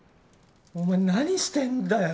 お前何してんだよ。